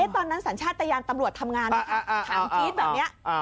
ตอนนั้นสัญชาตยานตำรวจทำงานถามจี๊ดแบบนี้